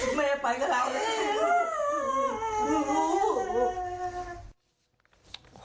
ลูกแม่ไปกับเราเลยลูก